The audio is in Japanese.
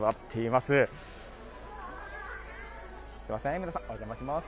すみません、皆さん、お邪魔します。